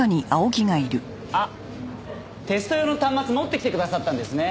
あっテスト用の端末持ってきてくださったんですね。